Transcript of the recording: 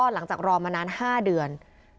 หลังจากรอมานาน๕เดือน